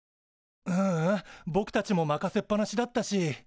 ううんぼくたちも任せっぱなしだったし。